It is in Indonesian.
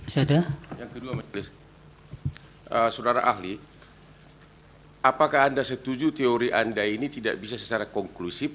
saudara ahli apakah anda setuju teori anda ini tidak bisa secara konklusif